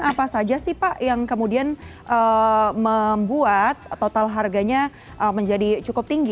apa saja sih pak yang kemudian membuat total harganya menjadi cukup tinggi